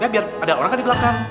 ya biar ada orang kan digelapkan